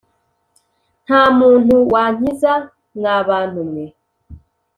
nta muntu wankiza mwabantu mwe